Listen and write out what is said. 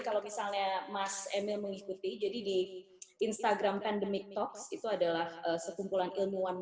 kalau misalnya mas emil mengikuti jadi di instagram pandemic talks itu adalah sekumpulan ilmuwan